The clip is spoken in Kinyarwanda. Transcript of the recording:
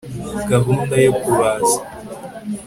gahunda yo kubaza